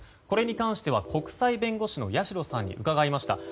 これに関しては国際弁護士の八代さんに伺いました。